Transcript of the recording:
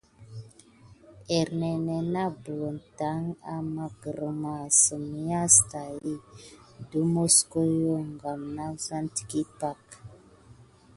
Ernénè na buna täki amà grirmà sem.yà saki depumosok kà nakua pak.